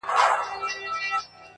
له کماله یې خواږه انګور ترخه کړه,